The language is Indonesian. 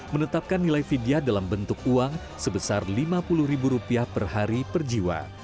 menetapkan nilai vidya dalam bentuk uang sebesar lima puluh ribu rupiah per hari per jiwa